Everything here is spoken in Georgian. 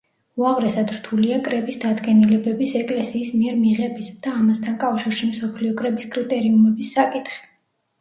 უაღრესად რთულია კრების დადგენილებების ეკლესიის მიერ მიღების და ამასთან კავშირში მსოფლიო კრების კრიტერიუმების საკითხი.